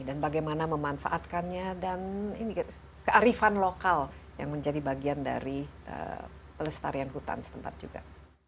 dan bagaimana memanfaatkannya dan kearifan lokal yang menjadi bagian dari pelestarian hutan setempat juga